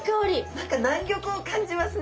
何か南国を感じますね。